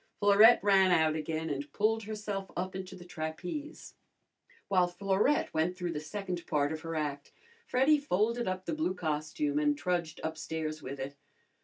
Florette ran out again and pulled herself up into the trapeze. While Florette went through the second part of her act Freddy folded up the blue costume and trudged upstairs with it.